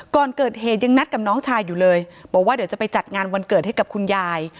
ก่อนเกิดเหตุยังนัดกับน้องชายอยู่เลยบอกว่าเดี๋ยวจะไปจัดงานวันเกิดให้กับคุณยาย